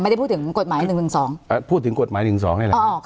ไม่ได้พูดถึงกฎหมายหนึ่งสองเอ่อพูดถึงกฎหมายหนึ่งสองนี่แหละ